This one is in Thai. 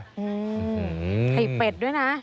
ไข่เป็ดด้วยนะ